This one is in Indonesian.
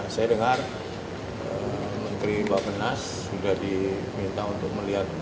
saya dengar menteri bapak penas sudah diminta untuk melihat